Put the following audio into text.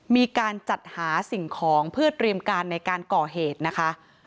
มีการจัดหาสิ่งของเพื่อเตรียมการในการก่อเหตุนะคะ